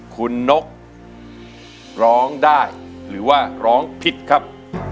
คุณนกร้องได้หรือว่าร้องผิดครับ